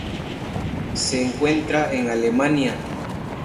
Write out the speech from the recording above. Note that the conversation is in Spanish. Se encuentra en Alemania.